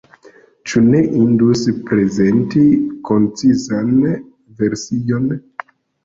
Ĉu ne indus prezenti koncizan version?